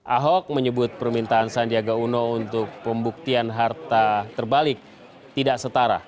ahok menyebut permintaan sandiaga uno untuk pembuktian harta terbalik tidak setara